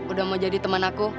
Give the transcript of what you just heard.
udah mau jadi teman aku